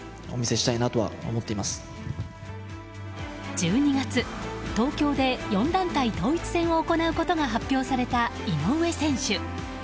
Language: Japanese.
１２月、東京で４団体統一戦を行うことが発表された井上選手。